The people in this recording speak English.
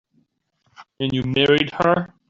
And you married her.